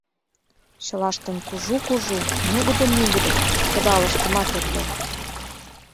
Чылаштын кужу-кужу, нугыдо-нугыдо, кыдалыштымат эртен.